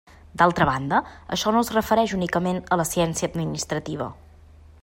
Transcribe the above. D'altra banda, això no es refereix únicament a la ciència administrativa.